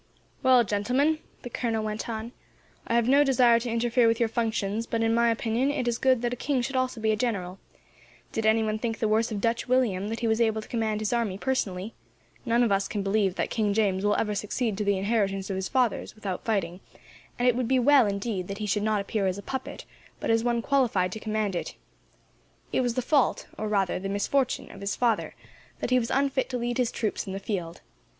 "Well, gentlemen," the colonel went on, "I have no desire to interfere with your functions, but, in my opinion, it is good that a king should also be a general. Did anyone think any the worse of Dutch William, that he was able to command his army, personally? None of us can believe that King James will ever succeed to the inheritance of his fathers, without fighting; and it would be well, indeed, that he should not appear as a puppet, but as one qualified to command. It was the fault, or rather the misfortune, of his father, that he was unfit to lead his troops in the field.